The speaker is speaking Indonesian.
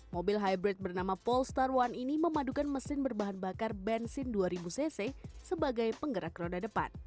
mobil hybrid bernama polestar one ini memadukan mesin berbahan bakar bensin dua ribu cc sebagai penggerak roda depan